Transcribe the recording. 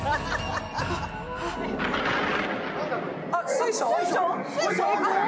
水晶？